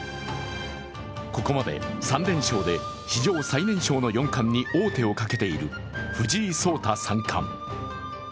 ここまで３連勝で史上最年少の四冠に王手をかけている藤井聡太三冠。